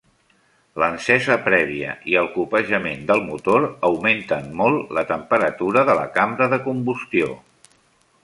L'encesa prèvia i el copejament del motor augmenten molt la temperatura de la cambra de combustió.